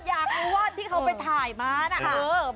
อยากรู้ว่าที่เขาไปถ่ายมาน่ะ